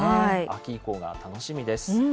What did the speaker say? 秋以降が楽しみです。